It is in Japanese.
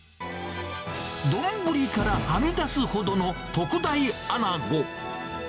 丼からはみ出すほどの特大アナゴ。